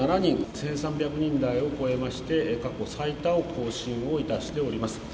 １３００人台を超えまして、過去最多を更新をいたしております。